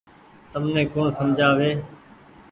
تمني ڪوڻ سمجها وي ۔